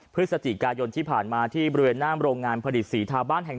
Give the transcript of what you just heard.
พฤศจิกายนที่ผ่านมาที่บริเวณหน้าโรงงานผลิตสีทาบ้านแห่ง๑